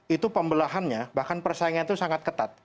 itu pembelahannya bahkan persaingannya itu sangat ketat